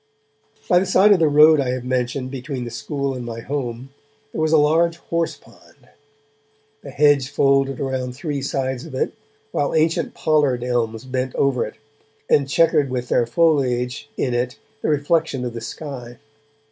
By the side of the road I have mentioned, between the school and my home, there was a large horse pond. The hedge folded around three sides of it, while ancient pollard elms bent over it, and chequered with their foliage in it the reflection of the sky.